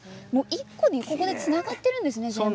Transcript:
１個でつながっているんですね。